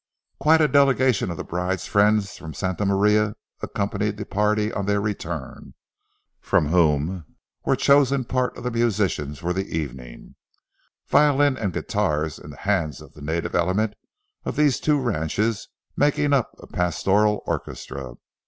Quite a delegation of the bride's friends from Santa Maria accompanied the party on their return, from whom were chosen part of the musicians for the evening—violins and guitars in the hands of the native element of the two ranches making up a pastoral orchestra.